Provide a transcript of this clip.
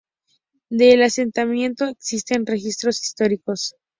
Del asentamiento existen registros históricos.